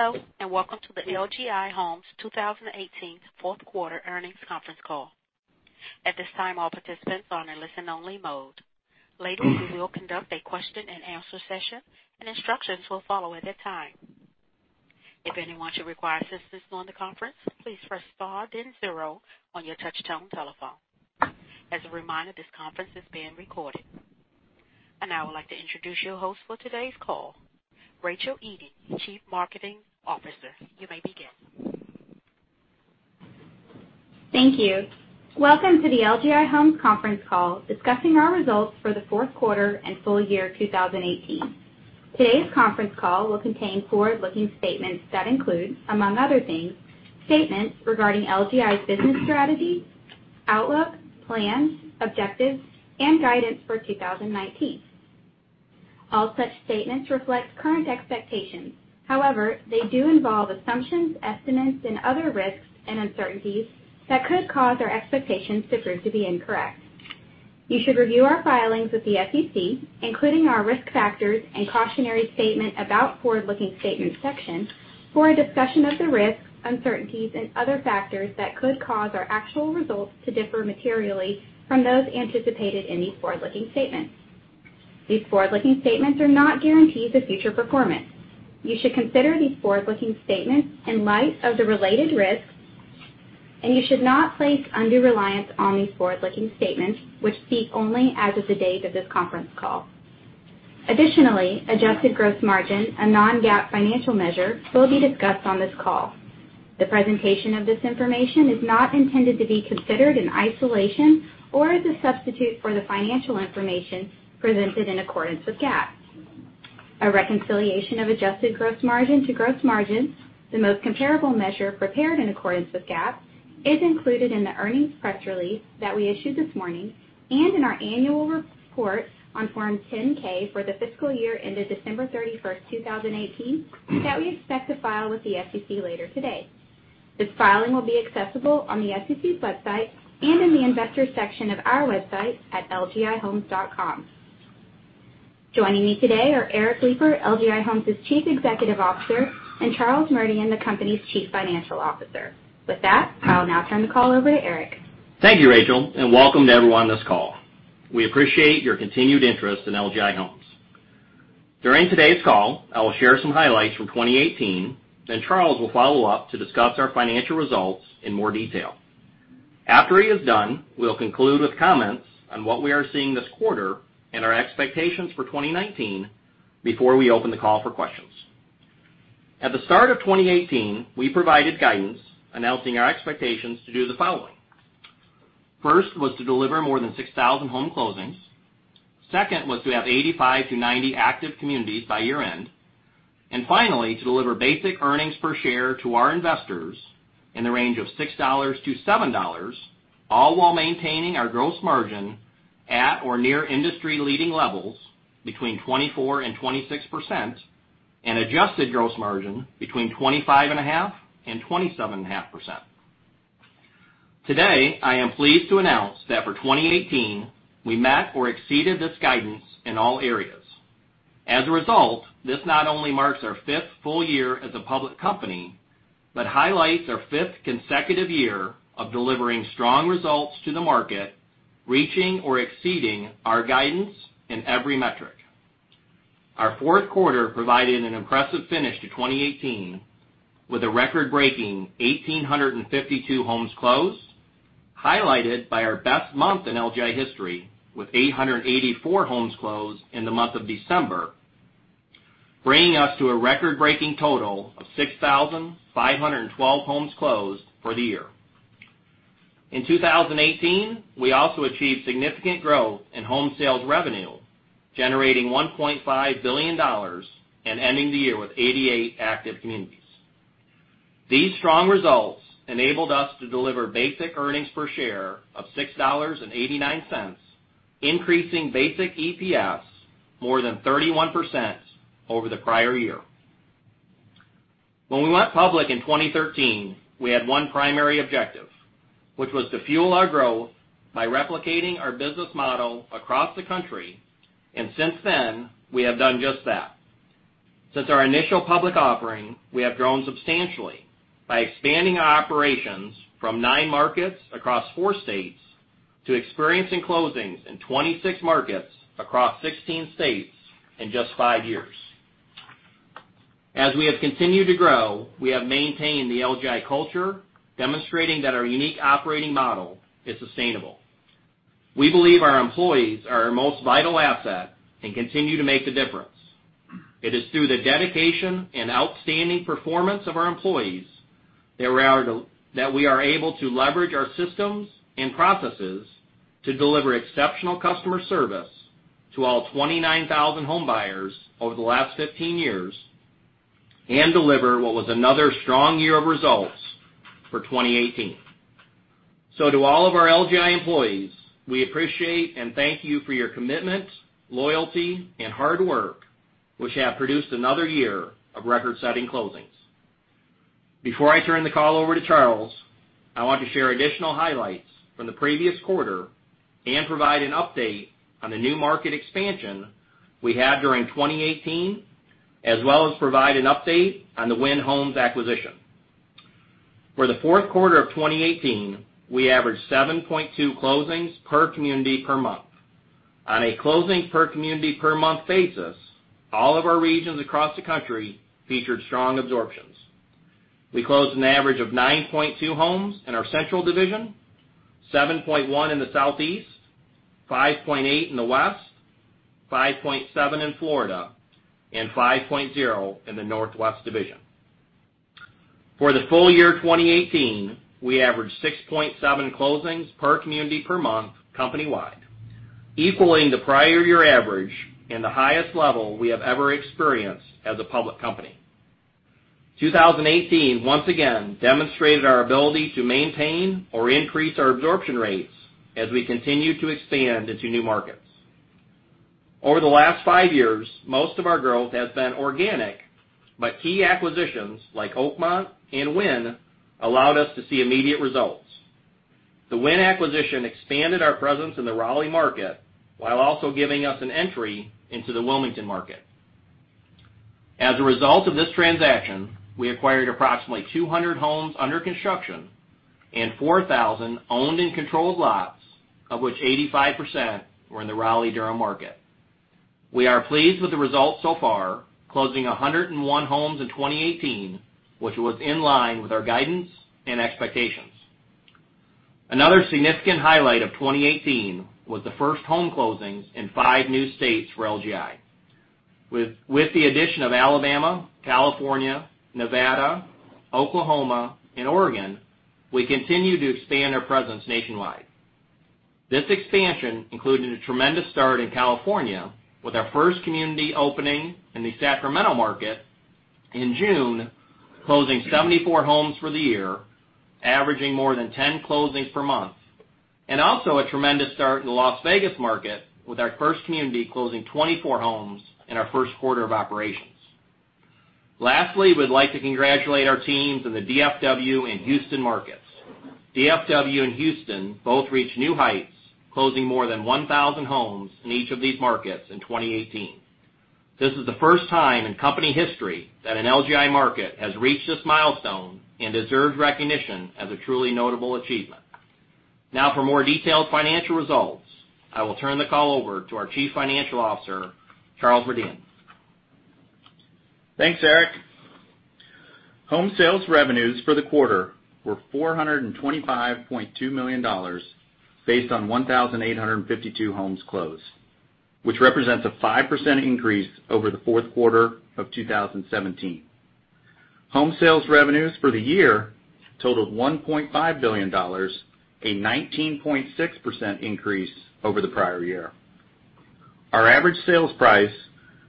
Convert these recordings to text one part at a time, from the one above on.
Hello, welcome to the LGI Homes 2018 Q4 earnings conference call. At this time, all participants are in listen only mode. Later, we will conduct a question and answer session, instructions will follow at that time. If anyone should require assistance during the conference, please press star then zero on your touch-tone telephone. As a reminder, this conference is being recorded. Now I would like to introduce your host for today's call, Rachel Eaton, Chief Marketing Officer. You may begin. Thank you. Welcome to the LGI Homes conference call discussing our results for the Q4 and full year 2018. Today's conference call will contain forward-looking statements that include, among other things, statements regarding LGI's business strategy, outlook, plans, objectives, and guidance for 2019. All such statements reflect current expectations. However, they do involve assumptions, estimates, and other risks and uncertainties that could cause our expectations to prove to be incorrect. You should review our filings with the SEC, including our risk factors and cautionary statement about forward-looking statements section for a discussion of the risks, uncertainties and other factors that could cause our actual results to differ materially from those anticipated in these forward-looking statements. These forward-looking statements are not guarantees of future performance. You should consider these forward-looking statements in light of the related risks, you should not place undue reliance on these forward-looking statements, which speak only as of the date of this conference call. Additionally, adjusted gross margin, a non-GAAP financial measure, will be discussed on this call. The presentation of this information is not intended to be considered in isolation or as a substitute for the financial information presented in accordance with GAAP. A reconciliation of adjusted gross margin to gross margins, the most comparable measure prepared in accordance with GAAP, is included in the earnings press release that we issued this morning and in our annual report on Form 10-K for the fiscal year ended December 31st, 2018 that we expect to file with the SEC later today. This filing will be accessible on the SEC website and in the investors section of our website at lgihomes.com. Joining me today are Eric Lipar, LGI Homes' Chief Executive Officer, and Charles Merdian, the company's Chief Financial Officer. With that, I'll now turn the call over to Eric. Thank you, Rachel, and welcome to everyone on this call. We appreciate your continued interest in LGI Homes. During today's call, I will share some highlights from 2018, then Charles will follow up to discuss our financial results in more detail. After he is done, we will conclude with comments on what we are seeing this quarter and our expectations for 2019 before we open the call for questions. At the start of 2018, we provided guidance announcing our expectations to do the following. First was to deliver more than 6,000 home closings. Second was to have 85-90 active communities by year-end. Finally, to deliver basic earnings per share to our investors in the range of $6-$7, all while maintaining our gross margin at or near industry-leading levels between 24%-26% and adjusted gross margin between 25.5%-27.5%. Today, I am pleased to announce that for 2018, we met or exceeded this guidance in all areas. As a result, this not only marks our fifth full year as a public company, but highlights our fifth consecutive year of delivering strong results to the market, reaching or exceeding our guidance in every metric. Our Q4 provided an impressive finish to 2018 with a record-breaking 1,852 homes closed, highlighted by our best month in LGI history, with 884 homes closed in the month of December, bringing us to a record-breaking total of 6,512 homes closed for the year. In 2018, we also achieved significant growth in home sales revenue, generating $1.5 billion and ending the year with 88 active communities. These strong results enabled us to deliver basic earnings per share of $6.89, increasing basic EPS more than 31% over the prior year. When we went public in 2013, we had one primary objective, which was to fuel our growth by replicating our business model across the country. Since then, we have done just that. Since our initial public offering, we have grown substantially by expanding our operations from nine markets across four states to experiencing closings in 26 markets across 16 states in just five years. As we have continued to grow, we have maintained the LGI culture, demonstrating that our unique operating model is sustainable. We believe our employees are our most vital asset and continue to make a difference. It is through the dedication and outstanding performance of our employees that we are able to leverage our systems and processes to deliver exceptional customer service to all 29,000 homebuyers over the last 15 years and deliver what was another strong year of results for 2018. To all of our LGI employees, we appreciate and thank you for your commitment, loyalty, and hard work, which have produced another year of record-setting closings. Before I turn the call over to Charles, I want to share additional highlights from the previous quarter and provide an update on the new market expansion we had during 2018, as well as provide an update on the Wynn Homes acquisition. For the Q4 of 2018, we averaged 7.2 closings per community per month. On a closing per community per month basis, all of our regions across the country featured strong absorptions. We closed an average of 9.2 homes in our Central division, 7.1 in the Southeast, 5.8 in the West, 5.7 in Florida, and 5.0 in the Northwest division. For the full year 2018, we averaged 6.7 closings per community per month company-wide, equaling the prior year average and the highest level we have ever experienced as a public company. 2018, once again, demonstrated our ability to maintain or increase our absorption rates as we continue to expand into new markets. Over the last five years, most of our growth has been organic, but key acquisitions like Oakmont and Wynn allowed us to see immediate results. The Wynn acquisition expanded our presence in the Raleigh market, while also giving us an entry into the Wilmington market. As a result of this transaction, we acquired approximately 200 homes under construction and 4,000 owned and controlled lots, of which 85% were in the Raleigh-Durham market. We are pleased with the results so far, closing 101 homes in 2018, which was in line with our guidance and expectations. Another significant highlight of 2018 was the first home closings in five new states for LGI. With the addition of Alabama, California, Nevada, Oklahoma, and Oregon, we continue to expand our presence nationwide. This expansion included a tremendous start in California with our first community opening in the Sacramento market in June, closing 74 homes for the year, averaging more than 10 closings per month, and also a tremendous start in the Las Vegas market with our first community closing 24 homes in our Q1 of operations. Lastly, we'd like to congratulate our teams in the DFW and Houston markets. DFW and Houston both reached new heights, closing more than 1,000 homes in each of these markets in 2018. This is the first time in company history that an LGI market has reached this milestone and deserves recognition as a truly notable achievement. For more detailed financial results, I will turn the call over to our Chief Financial Officer, Charles Merdian. Thanks, Eric. Home sales revenues for the quarter were $425.2 million based on 1,852 homes closed, which represents a 5% increase over the Q4 of 2017. Home sales revenues for the year totaled $1.5 billion, a 19.6% increase over the prior year. Our average sales price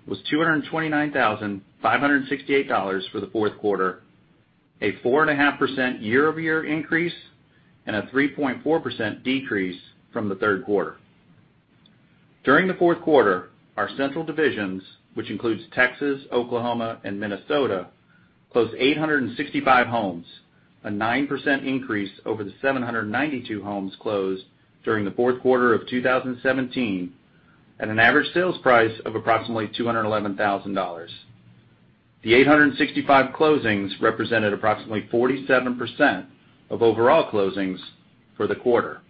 was $229,568 for the Q4, a 4.5% year-over-year increase and a 3.4% decrease from the Q3. During the Q4, our Central divisions, which includes Texas, Oklahoma, and Minnesota, closed 865 homes, a 9% increase over the 792 homes closed during the Q4 of 2017, at an average sales price of approximately $211,000. The 865 closings represented approximately 47% of overall closings for the quarter.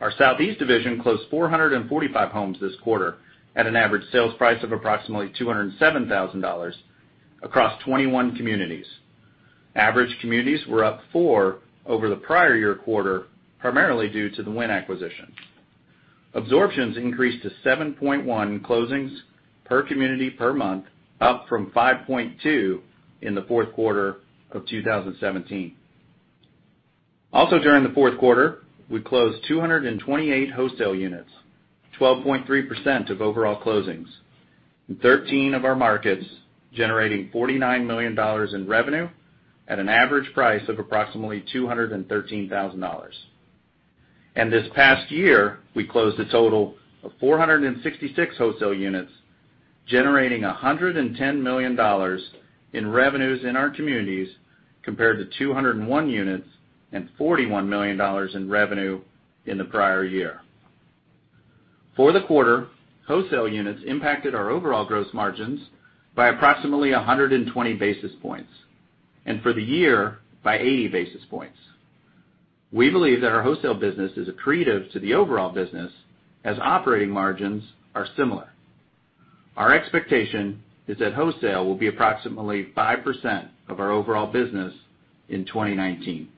Our Southeast division closed 445 homes this quarter at an average sales price of approximately $207,000 across 21 communities. Average communities were up four over the prior year quarter, primarily due to the Wynn acquisition. Absorptions increased to 7.1 closings per community per month, up from 5.2 in the Q4 of 2017. Also during the Q4, we closed 228 wholesale units, 12.3% of overall closings, in 13 of our markets, generating $49 million in revenue at an average price of approximately $213,000. This past year, we closed a total of 466 wholesale units, generating $110 million in revenues in our communities, compared to 201 units and $41 million in revenue in the prior year. For the quarter, wholesale units impacted our overall gross margins by approximately 120 basis points, and for the year, by 80 basis points. We believe that our wholesale business is accretive to the overall business, as operating margins are similar. Our expectation is that wholesale will be approximately 5% of our overall business in 2019.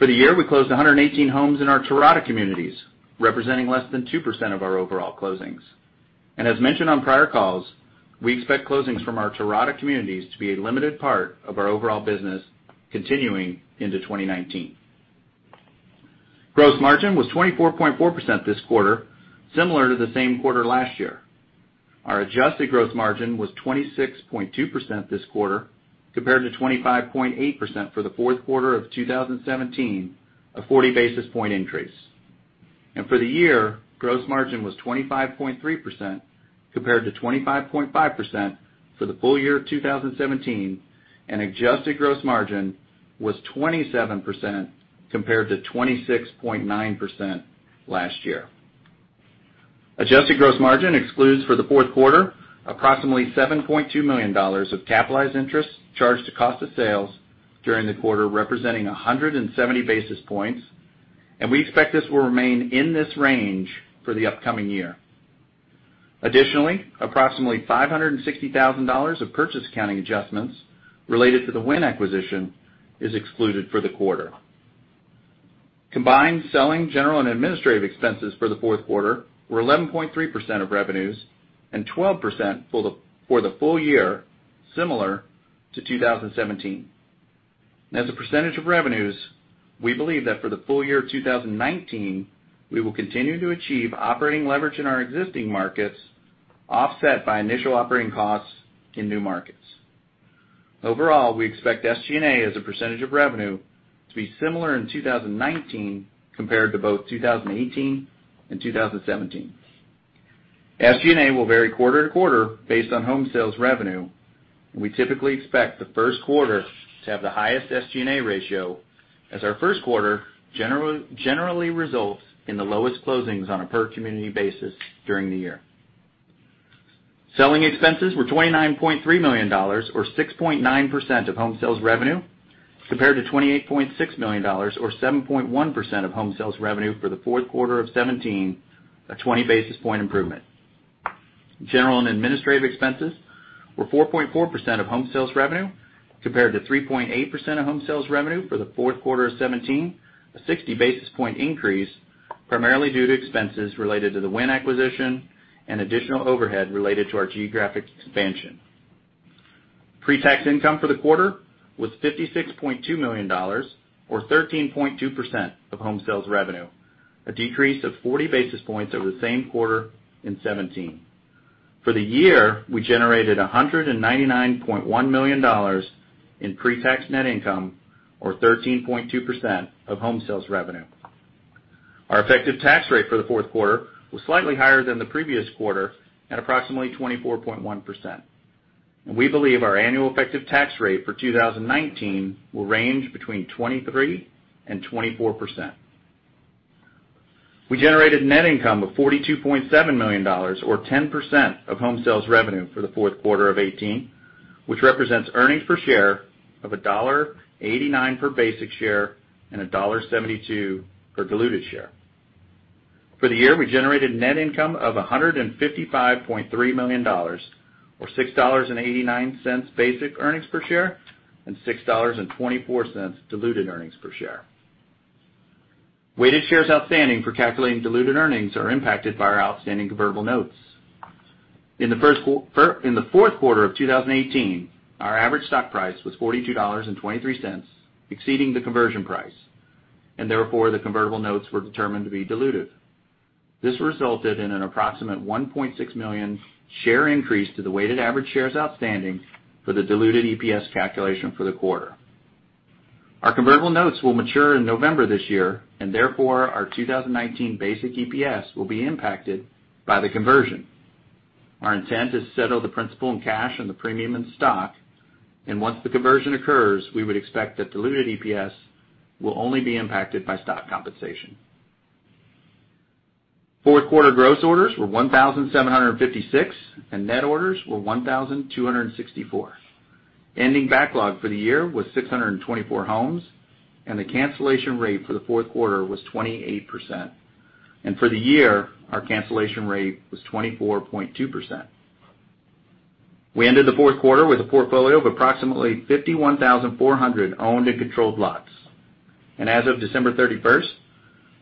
For the year, we closed 118 homes in our Terrata communities, representing less than 2% of our overall closings. As mentioned on prior calls, we expect closings from our Terrata communities to be a limited part of our overall business continuing into 2019. Gross margin was 24.4% this quarter, similar to the same quarter last year. Our adjusted gross margin was 26.2% this quarter, compared to 25.8% for the Q4 of 2017, a 40 basis point increase. For the year, gross margin was 25.3% compared to 25.5% for the full year of 2017, and adjusted gross margin was 27% compared to 26.9% last year. Adjusted gross margin excludes for the Q4, approximately $7.2 million of capitalized interest charged to cost of sales during the quarter, representing 170 basis points. We expect this will remain in this range for the upcoming year. Additionally, approximately $560,000 of purchase accounting adjustments related to the Wynn acquisition is excluded for the quarter. Combined selling, general, and administrative expenses for the Q4 were 11.3% of revenues and 12% for the full year, similar to 2017. As a percentage of revenues, we believe that for the full year of 2019, we will continue to achieve operating leverage in our existing markets, offset by initial operating costs in new markets. Overall, we expect SG&A as a percentage of revenue to be similar in 2019 compared to both 2018 and 2017. SG&A will vary quarter-over-quarter based on home sales revenue. We typically expect the Q1 to have the highest SG&A ratio as our Q1 generally results in the lowest closings on a per community basis during the year. Selling expenses were $29.3 million or 6.9% of home sales revenue, compared to $28.6 million or 7.1% of home sales revenue for the Q4 of 2017, a 20 basis point improvement. General and administrative expenses were 4.4% of home sales revenue compared to 3.8% of home sales revenue for the Q4 of 2017, a 60 basis point increase, primarily due to expenses related to the Wynn acquisition and additional overhead related to our geographic expansion. Pre-tax income for the quarter was $56.2 million or 13.2% of home sales revenue, a decrease of 40 basis points over the same quarter in 2017. For the year, we generated $199.1 million in pre-tax net income or 13.2% of home sales revenue. Our effective tax rate for the Q4 was slightly higher than the previous quarter at approximately 24.1%. We believe our annual effective tax rate for 2019 will range between 23% and 24%. We generated net income of $42.7 million or 10% of home sales revenue for the Q4 of 2018, which represents earnings per share of $1.89 per basic share and $1.72 per diluted share. For the year, we generated net income of $155.3 million or $6.89 basic earnings per share and $6.24 diluted earnings per share. Weighted shares outstanding for calculating diluted earnings are impacted by our outstanding convertible notes. In the Q4 of 2018, our average stock price was $42.23, exceeding the conversion price, and therefore, the convertible notes were determined to be diluted. This resulted in an approximate 1.6 million share increase to the weighted average shares outstanding for the diluted EPS calculation for the quarter. Our convertible notes will mature in November this year. Therefore, our 2019 basic EPS will be impacted by the conversion. Our intent is to settle the principal in cash and the premium in stock. Once the conversion occurs, we would expect that diluted EPS will only be impacted by stock compensation. Q4 gross orders were 1,756. Net orders were 1,264. Ending backlog for the year was 624 homes. The cancellation rate for the Q4 was 28%. For the year, our cancellation rate was 24.2%. We ended the Q4 with a portfolio of approximately 51,400 owned and controlled lots. As of December 31st,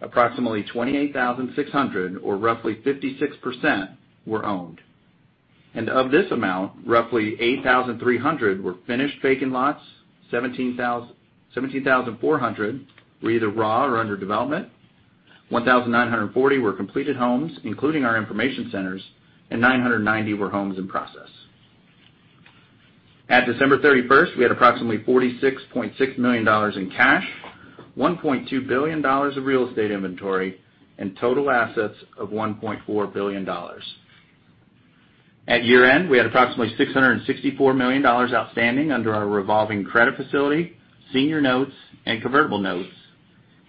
approximately 28,600 or roughly 56% were owned. Of this amount, roughly 8,300 were finished vacant lots. 17,400 were either raw or under development. 1,940 were completed homes, including our information centers, and 990 were homes in process. At December 31st, we had approximately $46.6 million in cash, $1.2 billion of real estate inventory, and total assets of $1.4 billion. At year-end, we had approximately $664 million outstanding under our revolving credit facility, senior notes, and convertible notes,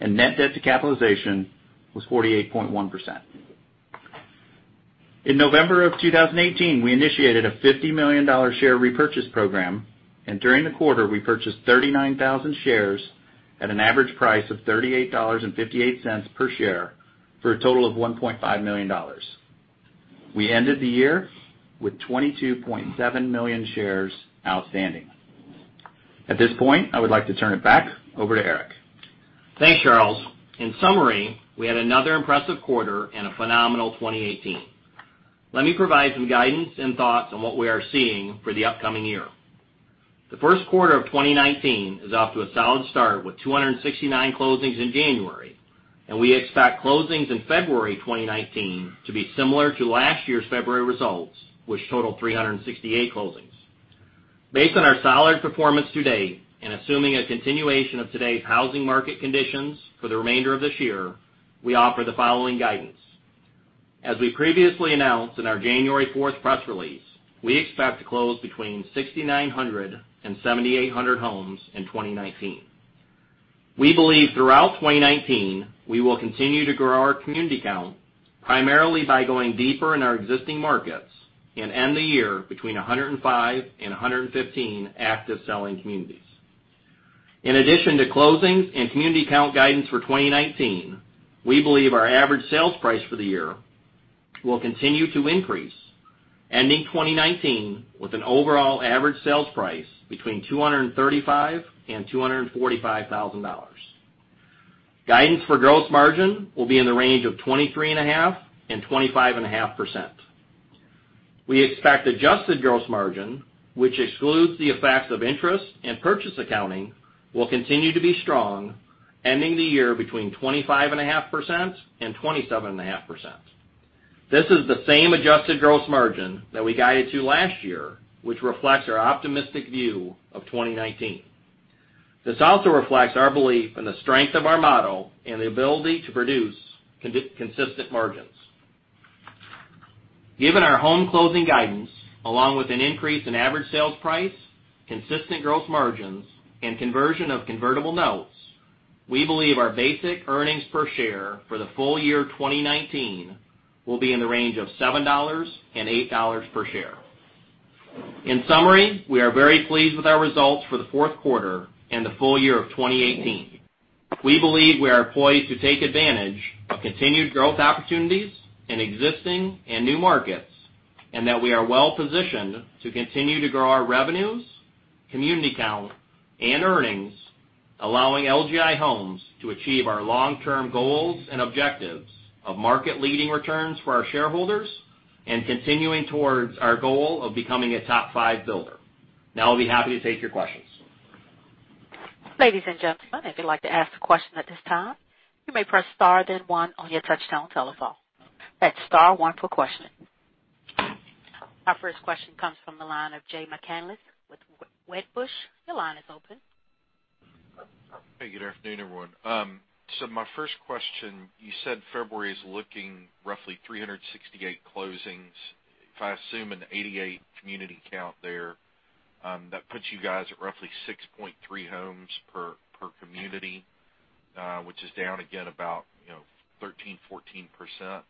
and net debt to capitalization was 48.1%. In November 2018, we initiated a $50 million share repurchase program, and during the quarter, we purchased 39,000 shares at an average price of $38.58 per share for a total of $1.5 million. We ended the year with 22.7 million shares outstanding. At this point, I would like to turn it back over to Eric. Thanks, Charles. In summary, we had another impressive quarter and a phenomenal 2018. Let me provide some guidance and thoughts on what we are seeing for the upcoming year. The Q1 of 2019 is off to a solid start with 269 closings in January, and we expect closings in February 2019 to be similar to last year's February results, which totaled 368 closings. Based on our solid performance to date and assuming a continuation of today's housing market conditions for the remainder of this year, we offer the following guidance. As we previously announced in our January 4th press release, we expect to close between 6,900 and 7,800 homes in 2019. We believe throughout 2019, we will continue to grow our community count, primarily by going deeper in our existing markets, and end the year between 105 and 115 active selling communities. In addition to closings and community count guidance for 2019, we believe our average sales price for the year will continue to increase, ending 2019 with an overall average sales price between $235,000 and $245,000. Guidance for gross margin will be in the range of 23.5% and 25.5%. We expect adjusted gross margin, which excludes the effects of interest and purchase accounting, will continue to be strong, ending the year between 25.5% and 27.5%. This is the same adjusted gross margin that we guided to last year, which reflects our optimistic view of 2019. This also reflects our belief in the strength of our model and the ability to produce consistent margins. Given our home closing guidance, along with an increase in average sales price, consistent gross margins, and conversion of convertible notes, we believe our basic earnings per share for the full year 2019 will be in the range of $7 and $8 per share. In summary, we are very pleased with our results for the Q4 and the full year of 2018. We believe we are poised to take advantage of continued growth opportunities in existing and new markets, and that we are well-positioned to continue to grow our revenues, community count, and earnings, allowing LGI Homes to achieve our long-term goals and objectives of market-leading returns for our shareholders and continuing towards our goal of becoming a top five builder. I'll be happy to take your questions. Ladies and gentlemen, if you'd like to ask a question at this time, you may press star then one on your touchtone telephone. That's star one for questions. Our first question comes from the line of Jay McCanless with Wedbush. Your line is open. Hey, good afternoon, everyone. My first question, you said February is looking roughly 368 closings. If I assume an 88 community count there, that puts you guys at roughly 6.3 homes per community, which is down again about 13%, 14%.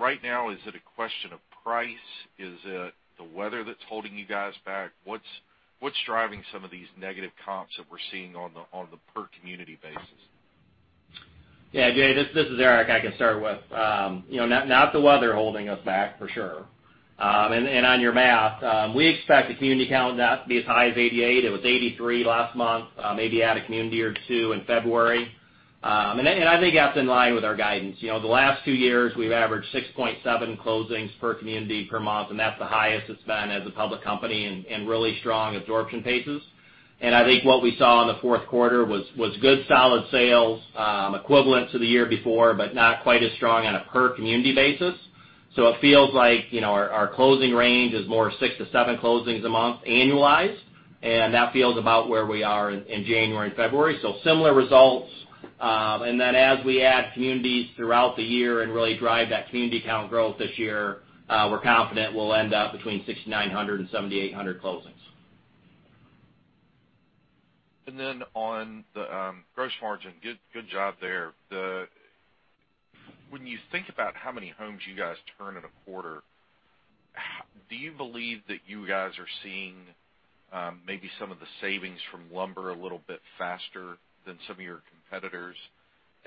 Right now, is it a question of price? Is it the weather that's holding you guys back? What's driving some of these negative comps that we're seeing on the per community basis? Jay, this is Eric. I can start with. Not the weather holding us back, for sure. On your math, we expect the community count not to be as high as 88. It was 83 last month, maybe add a community or two in February. I think that's in line with our guidance. The last two years, we've averaged 6.7 closings per community per month, and that's the highest it's been as a public company and really strong absorption paces. I think what we saw in the Q4 was good solid sales equivalent to the year before, but not quite as strong on a per community basis. It feels like our closing range is more six to seven closings a month annualized, and that feels about where we are in January and February. Similar results. As we add communities throughout the year and really drive that community count growth this year, we're confident we'll end up between 6,900 and 7,800 closings. On the gross margin, good job there. When you think about how many homes you guys turn in a quarter, do you believe that you guys are seeing maybe some of the savings from lumber a little bit faster than some of your competitors?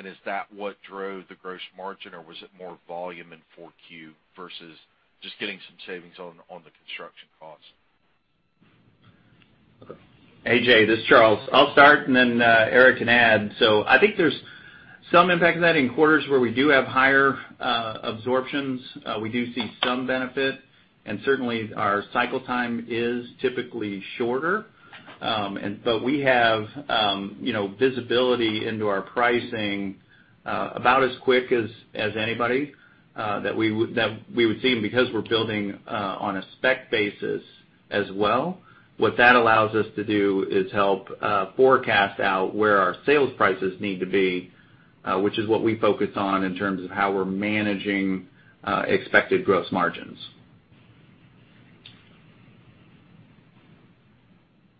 Is that what drove the gross margin, or was it more volume in 4Q versus just getting some savings on the construction costs? Hey, Jay. This is Charles. I'll start, and then Eric can add. I think there's some impact of that in quarters where we do have higher absorptions. We do see some benefit, and certainly our cycle time is typically shorter. We have visibility into our pricing about as quick as anybody that we would see, and because we're building on a spec basis as well, what that allows us to do is help forecast out where our sales prices need to be, which is what we focus on in terms of how we're managing expected gross margins.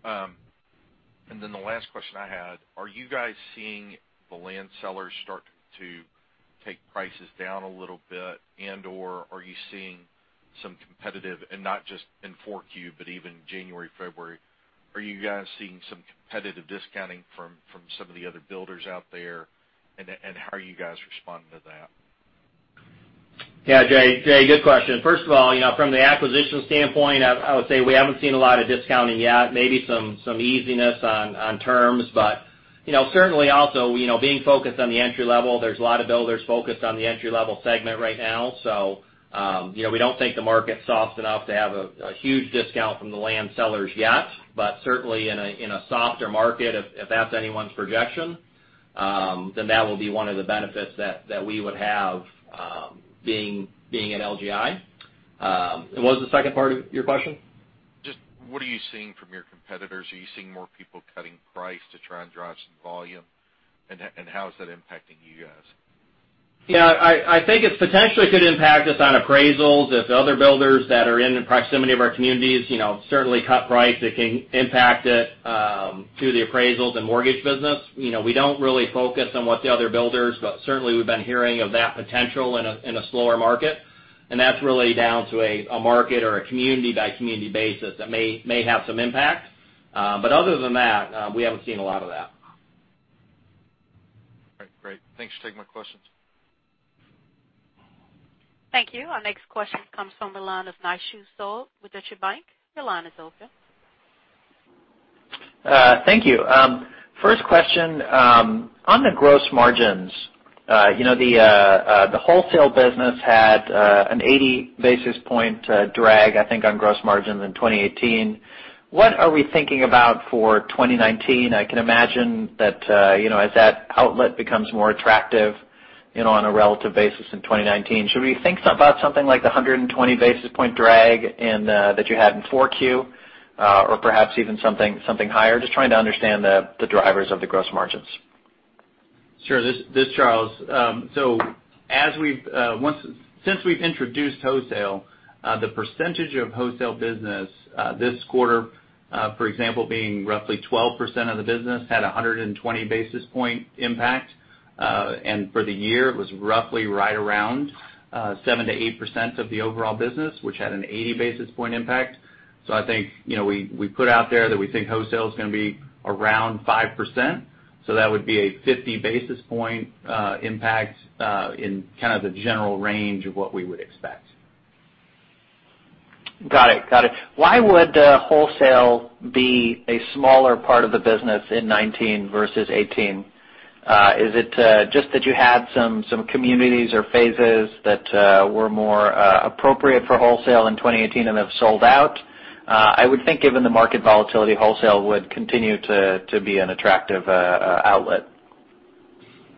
The last question I had, are you guys seeing the land sellers start to take prices down a little bit and/or are you seeing some competitive, and not just in Q4, but even January, February, are you guys seeing some competitive discounting from some of the other builders out there? How are you guys responding to that? Yeah, Jay. Good question. First of all, from the acquisition standpoint, I would say we haven't seen a lot of discounting yet. Maybe some easiness on terms, but certainly also, being focused on the entry level, there's a lot of builders focused on the entry level segment right now. We don't think the market's soft enough to have a huge discount from the land sellers yet, but certainly in a softer market, if that's anyone's projection, that will be one of the benefits that we would haveBeing at LGI. What was the second part of your question? Just what are you seeing from your competitors? Are you seeing more people cutting price to try and drive some volume? How is that impacting you guys? I think it potentially could impact us on appraisals if other builders that are in the proximity of our communities certainly cut price, that can impact it to the appraisals and mortgage business. We don't really focus on what the other builders, certainly we've been hearing of that potential in a slower market, that's really down to a market or a community by community basis that may have some impact. Other than that, we haven't seen a lot of that. All right. Great. Thanks for taking my questions. Thank you. Our next question comes from the line of Nishu Sood, Deutsche Bank. Your line is open. Thank you. First question, on the gross margins. The wholesale business had an 80 basis point drag, I think, on gross margins in 2018. What are we thinking about for 2019? I can imagine that, as that outlet becomes more attractive on a relative basis in 2019, should we think about something like the 120 basis point drag in, that you had in four Q, or perhaps even something higher? Just trying to understand the drivers of the gross margins. Sure. This is Charles. Since we've introduced wholesale, the percentage of wholesale business, this quarter, for example, being roughly 12% of the business, had 120 basis point impact. For the year, it was roughly right around 7%-8% of the overall business, which had an 80 basis point impact. I think, we put out there that we think wholesale is going to be around 5%, that would be a 50 basis point impact, in kind of the general range of what we would expect. Got it. Why would wholesale be a smaller part of the business in 2019 versus 2018? Is it just that you had some communities or phases that were more appropriate for wholesale in 2018 and have sold out? I would think given the market volatility, wholesale would continue to be an attractive outlet.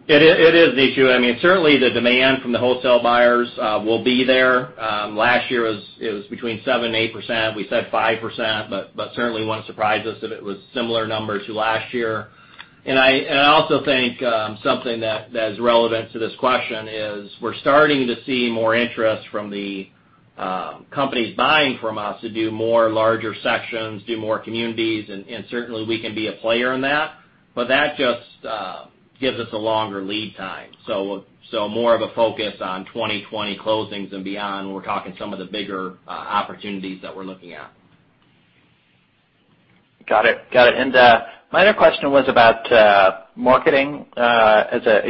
It is the issue. Certainly the demand from the wholesale buyers will be there. Last year it was between 7% and 8%. We said 5%, but certainly wouldn't surprise us if it was similar number to last year. I also think something that is relevant to this question is we're starting to see more interest from the companies buying from us to do more larger sections, do more communities, and certainly we can be a player in that. That just gives us a longer lead time. More of a focus on 2020 closings and beyond, when we're talking some of the bigger opportunities that we're looking at. Got it. My other question was about marketing spend.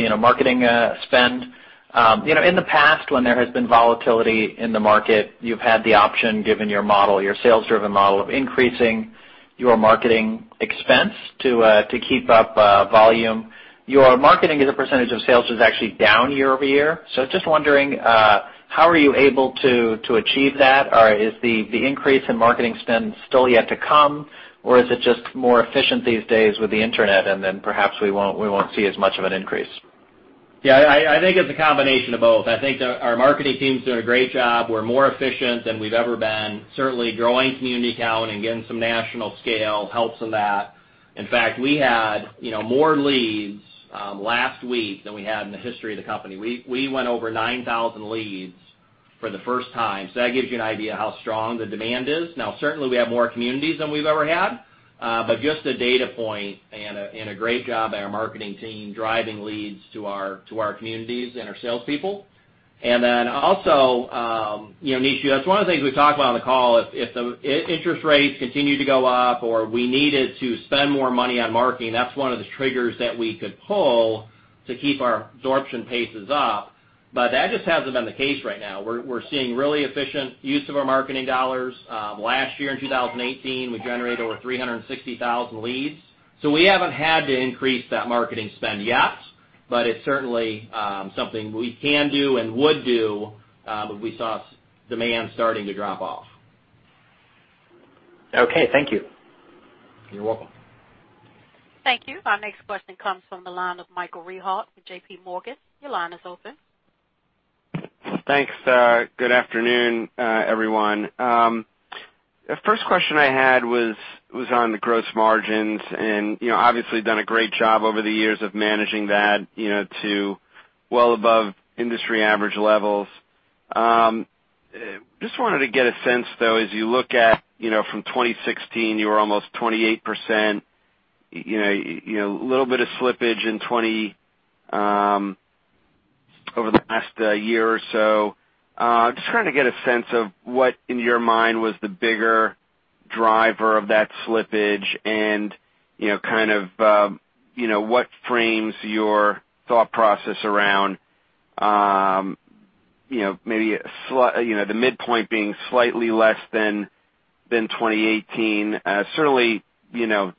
In the past, when there has been volatility in the market, you've had the option, given your model, your sales-driven model, of increasing your marketing expense to keep up volume. Your marketing as a % of sales is actually down year-over-year. Just wondering, how are you able to achieve that? Is the increase in marketing spend still yet to come, or is it just more efficient these days with the internet, and then perhaps we won't see as much of an increase? Yeah. I think it's a combination of both. I think our marketing team's doing a great job. We're more efficient than we've ever been. Certainly growing community count and getting some national scale helps in that. In fact, we had more leads last week than we had in the history of the company. We went over 9,000 leads for the first time. That gives you an idea how strong the demand is. Now, certainly, we have more communities than we've ever had. Just a data point and a great job by our marketing team driving leads to our communities and our salespeople. Then also, Nishu, that's one of the things we've talked about on the call. If the interest rates continue to go up or we needed to spend more money on marketing, that's one of the triggers that we could pull to keep our absorption paces up. That just hasn't been the case right now. We're seeing really efficient use of our marketing dollars. Last year, in 2018, we generated over 360,000 leads. We haven't had to increase that marketing spend yet, but it's certainly something we can do and would do if we saw demand starting to drop off. Okay. Thank you. You're welcome. Thank you. Our next question comes from the line of Michael Rehaut with J.P. Morgan. Your line is open. Thanks. Good afternoon, everyone. First question I had was on the gross margins. Obviously, you've done a great job over the years of managing that to well above industry average levels. Just wanted to get a sense, though, as you look at from 2016, you were almost 28%, a little bit of slippage over the past year or so. Just trying to get a sense of what in your mind was the bigger driver of that slippage and what frames your thought process around maybe the midpoint being slightly less than 2018. Certainly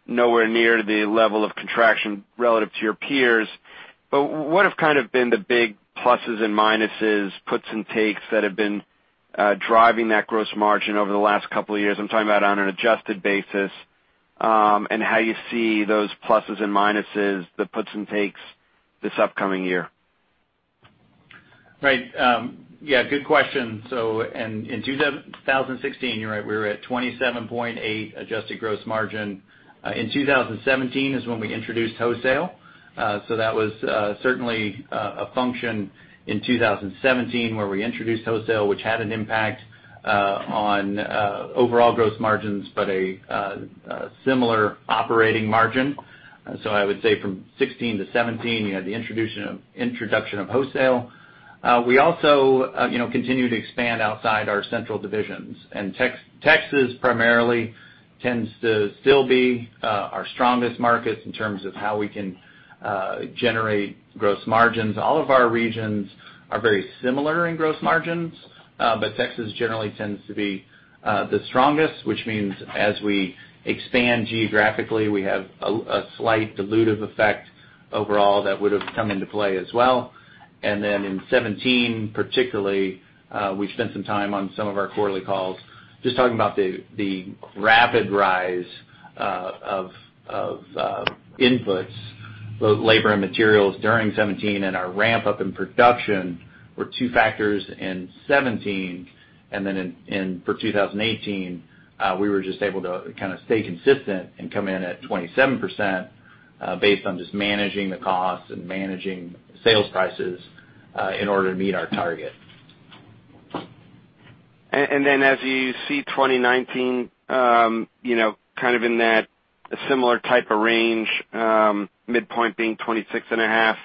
nowhere near the level of contraction relative to your peers. What have kind of been the big pluses and minuses, puts and takes that have been driving that gross margin over the last couple of years? I'm talking about on an adjusted basis. How you see those pluses and minuses, the puts and takes, this upcoming year. Right. Yeah, good question. In 2016, you're right, we were at 27.8% adjusted gross margin. In 2017 is when we introduced wholesale, that was certainly a function in 2017 where we introduced wholesale, which had an impact on overall gross margins, but a similar operating margin. I would say from 2016-2017, you had the introduction of wholesale. We also continue to expand outside our central divisions. Texas primarily tends to still be our strongest market in terms of how we can generate gross margins. All of our regions are very similar in gross margins, but Texas generally tends to be the strongest, which means as we expand geographically, we have a slight dilutive effect overall that would've come into play as well. In 2017 particularly, we've spent some time on some of our quarterly calls just talking about the rapid rise of inputs, both labor and materials, during 2017, and our ramp up in production were two factors in 2017. For 2018, we were just able to kind of stay consistent and come in at 27%, based on just managing the costs and managing sales prices, in order to meet our target. As you see 2019, kind of in that similar type of range, midpoint being 26.5%,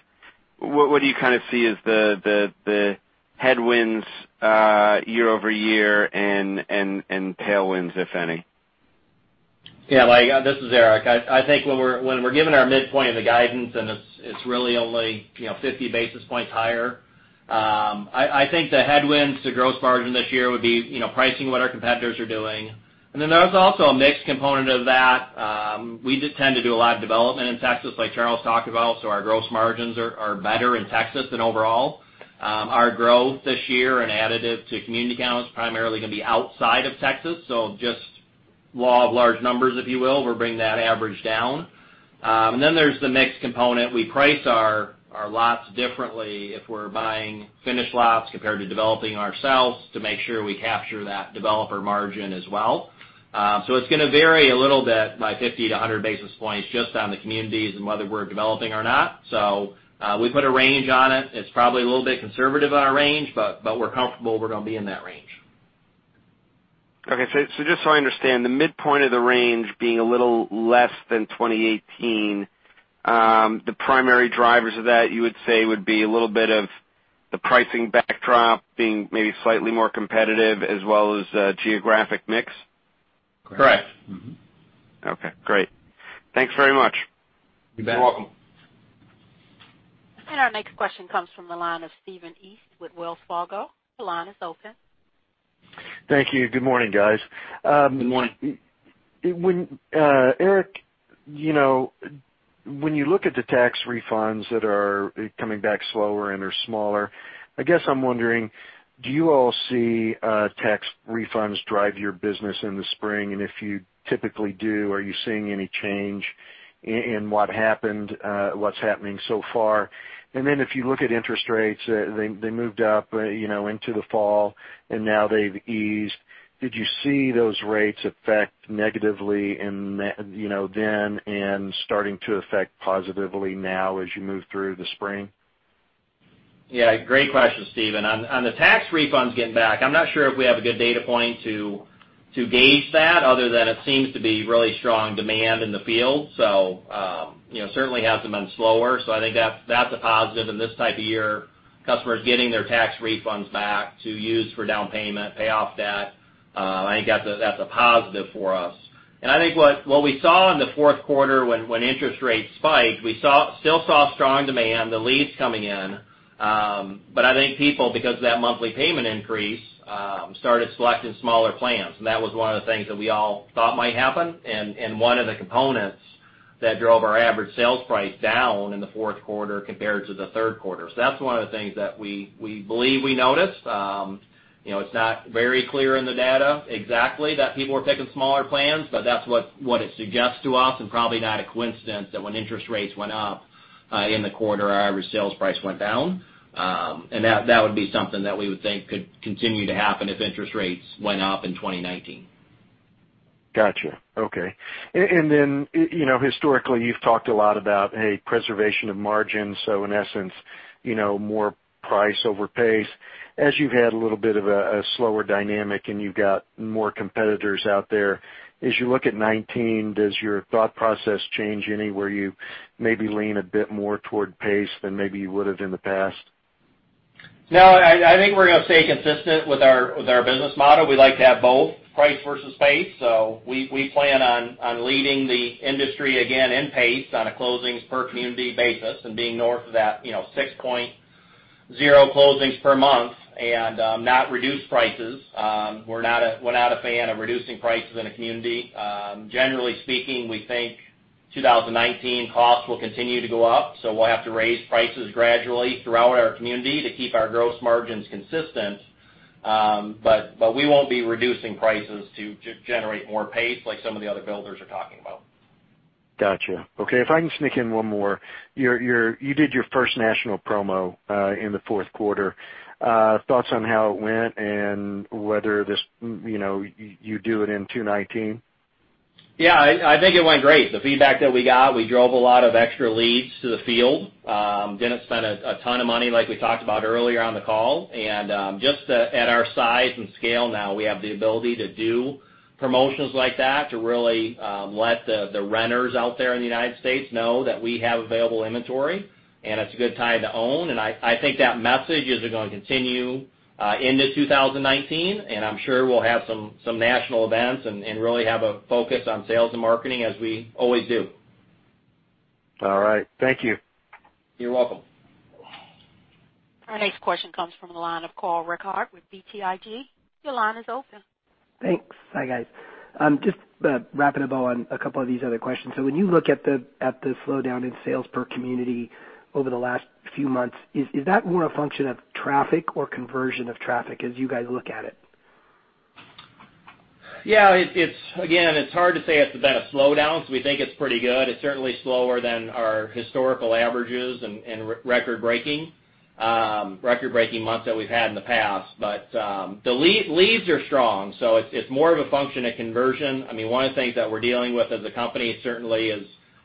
what do you kind of see as the headwinds year-over-year and tailwinds, if any? Yeah, this is Eric. I think when we're giving our midpoint of the guidance and it's really only 50 basis points higher, I think the headwinds to gross margin this year would be pricing what our competitors are doing. There's also a mix component of that. We just tend to do a lot of development in Texas, like Charles talked about, so our gross margins are better in Texas than overall. Our growth this year, an additive to community counts, primarily going to be outside of Texas, so just law of large numbers, if you will bring that average down. There's the mix component. We price our lots differently if we're buying finished lots compared to developing ourselves, to make sure we capture that developer margin as well. It's going to vary a little bit, by 50-100 basis points, just on the communities and whether we're developing or not. We put a range on it. It's probably a little bit conservative on our range, but we're comfortable we're going to be in that range. Okay. Just so I understand, the midpoint of the range being a little less than 2018, the primary drivers of that, you would say, would be a little bit of the pricing backdrop being maybe slightly more competitive as well as geographic mix? Correct. Okay, great. Thanks very much. You bet. You're welcome. Our next question comes from the line of Stephen East with Wells Fargo. Your line is open. Thank you. Good morning, guys. Good morning. Eric, when you look at the tax refunds that are coming back slower and are smaller, I guess I'm wondering, do you all see tax refunds drive your business in the spring? If you typically do, are you seeing any change in what's happening so far? Then if you look at interest rates, they moved up into the fall and now they've eased. Did you see those rates affect negatively then and starting to affect positively now as you move through the spring? Yeah. Great question, Stephen. On the tax refunds getting back, I'm not sure if we have a good data point to gauge that other than it seems to be really strong demand in the field. Certainly has been slower, so I think that's a positive in this type of year. Customers getting their tax refunds back to use for down payment, pay off debt, I think that's a positive for us. I think what we saw in the Q4 when interest rates spiked, we still saw strong demand, the leads coming in. I think people, because of that monthly payment increase, started selecting smaller plans, and that was one of the things that we all thought might happen, and one of the components that drove our average sales price down in the Q4 compared to the Q3. That's one of the things that we believe we noticed. It's not very clear in the data exactly that people were taking smaller plans, but that's what it suggests to us and probably not a coincidence that when interest rates went up, in the quarter, our average sales price went down. That would be something that we would think could continue to happen if interest rates went up in 2019. Got you. Okay. Historically, you've talked a lot about a preservation of margin, so in essence, more price over pace. As you've had a little bit of a slower dynamic and you've got more competitors out there, as you look at 2019, does your thought process change any, where you maybe lean a bit more toward pace than maybe you would've in the past? No, I think we're going to stay consistent with our business model. We like to have both price versus pace. We plan on leading the industry again in pace on a closings per community basis and being north of that 6.0 closings per month and not reduce prices. We're not a fan of reducing prices in a community. Generally speaking, we think 2019 costs will continue to go up, so we'll have to raise prices gradually throughout our community to keep our gross margins consistent. We won't be reducing prices to generate more pace like some of the other builders are talking about. Got you. Okay, if I can sneak in one more. You did your first national promo in the Q4. Thoughts on how it went and whether you do it in 2019? Yeah, I think it went great. The feedback that we got, we drove a lot of extra leads to the field. Didn't spend a ton of money like we talked about earlier on the call, and just at our size and scale now, we have the ability to do promotions like that, to really let the renters out there in the United States know that we have available inventory, and it's a good time to own. I think that message is going to continue into 2019, and I'm sure we'll have some national events and really have a focus on sales and marketing as we always do. All right. Thank you. You're welcome. Our next question comes from the line of Carl Reichardt with BTIG. Your line is open. Thanks. Hi, guys. Just wrapping a bow on a couple of these other questions. When you look at the slowdown in sales per community over the last few months, is that more a function of traffic or conversion of traffic as you guys look at it? Yeah, again, it's hard to say it's been a slowdown. We think it's pretty good. It's certainly slower than our historical averages and record-breaking months that we've had in the past. The leads are strong. It's more of a function of conversion. One of the things that we're dealing with as a company certainly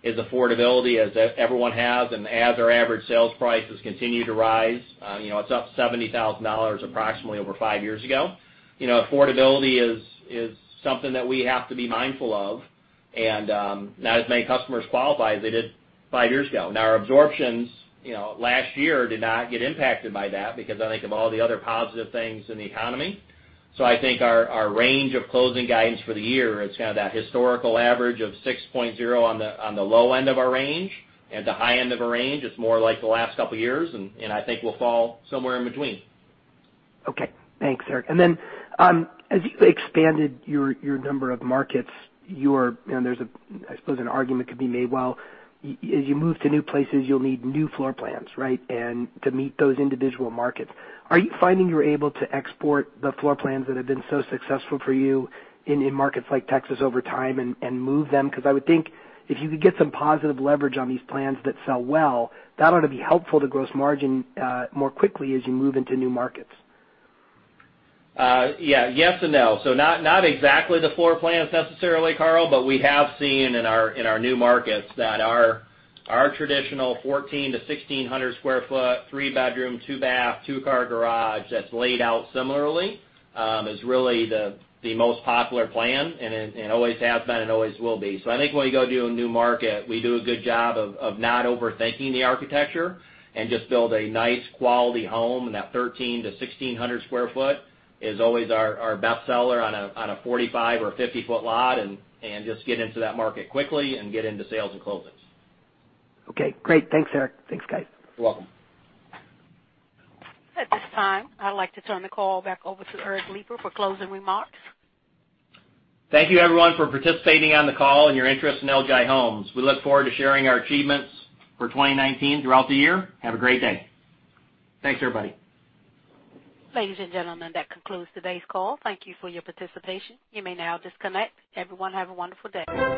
is affordability, as everyone has, and as our average sales prices continue to rise. It's up $70,000 approximately over five years ago. Affordability is something that we have to be mindful of, and not as many customers qualify as they did five years ago. Our absorptions last year did not get impacted by that because I think of all the other positive things in the economy. I think our range of closing guidance for the year is kind of that historical average of 6.0 on the low end of our range, at the high end of our range, it's more like the last couple of years. I think we'll fall somewhere in between. Okay. Thanks, Eric. As you expanded your number of markets, I suppose an argument could be made, well, as you move to new places, you'll need new floor plans, right, and to meet those individual markets. Are you finding you're able to export the floor plans that have been so successful for you in markets like Texas over time and move them? I would think if you could get some positive leverage on these plans that sell well, that ought to be helpful to gross margin more quickly as you move into new markets. Yeah. Yes and no. Not exactly the floor plans necessarily, Carl, but we have seen in our new markets that our traditional 1,400-1,600 square foot, three-bedroom, two-bath, two-car garage that's laid out similarly, is really the most popular plan and always has been and always will be. I think when we go do a new market, we do a good job of not overthinking the architecture and just build a nice quality home in that 1,300-1,600 square foot is always our best seller on a 45 or 50-foot lot and just get into that market quickly and get into sales and closings. Okay, great. Thanks, Eric. Thanks, guys. You're welcome. At this time, I'd like to turn the call back over to Eric Lipar for closing remarks. Thank you, everyone, for participating on the call and your interest in LGI Homes. We look forward to sharing our achievements for 2019 throughout the year. Have a great day. Thanks, everybody. Ladies and gentlemen, that concludes today's call. Thank you for your participation. You may now disconnect. Everyone, have a wonderful day.